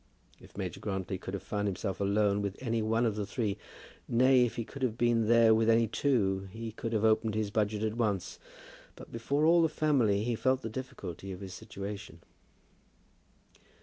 If Major Grantly could have found himself alone with any one of the three, nay, if he could have been there with any two, he could have opened his budget at once; but, before all the family, he felt the difficulty of his situation.